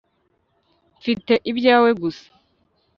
Mfite ibyawe gusa